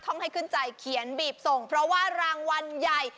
ห้องให้ขึ้นใจเขียนบีบส่งเพราะว่ารางวัลใหญ่